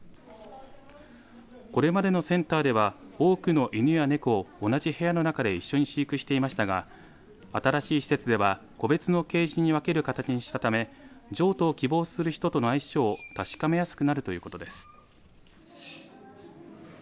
これまでのセンターでは多くの犬や猫を同じ部屋の中で一緒に飼育していましたが新しい施設では個別のケージに分ける形にしたため譲渡を希望する人との相性を確かめやすくなるということです。